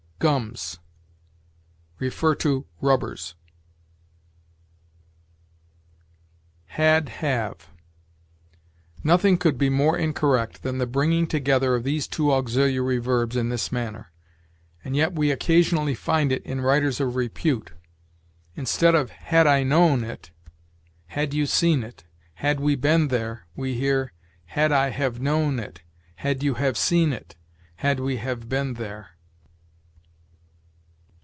GUMS. See RUBBERS. HAD HAVE. Nothing could be more incorrect than the bringing together of these two auxiliary verbs in this manner; and yet we occasionally find it in writers of repute. Instead of "Had I known it," "Had you seen it," "Had we been there," we hear, "Had I have known it," "Had you have seen it," "Had we have been there."